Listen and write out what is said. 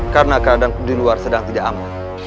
karena keadaan di luar sedang tidak aman